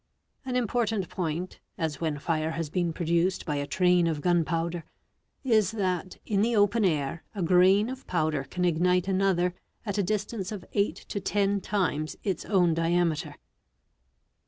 An important point (as when fire has been produced by a train of gun powder) is that it in the open air, a grain of powder can ignite another at a distance of § to 10 times its own diameter.